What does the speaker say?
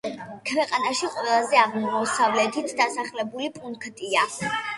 ქვეყანაში ყველაზე აღმოსავლეთით დასახლებული პუნქტია.